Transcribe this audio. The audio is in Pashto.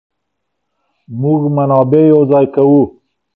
موږ منابع يو ځای کوو.